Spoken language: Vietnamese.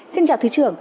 xin chào thủy trưởng